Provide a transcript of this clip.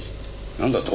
なんだと！？